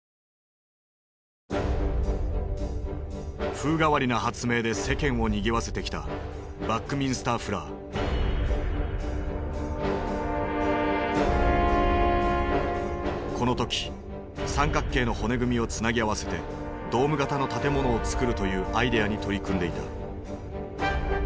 風変わりな発明で世間をにぎわせてきたこの時三角形の骨組みをつなぎ合わせてドーム型の建物をつくるというアイデアに取り組んでいた。